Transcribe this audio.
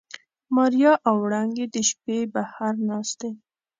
ماريا او وړانګې د شپې بهر ناستې.